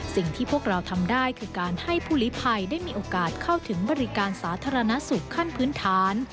สิ่งที่พวกเราทำได้คือการให้ผู้ลิภัยได้มีโอกาสเข้าถึงบริการสาธารณสุขขั้นพื้นฐาน